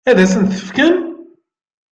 Ad sent-t-fken?